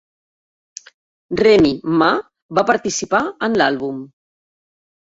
Remy Ma va participar en l'àlbum.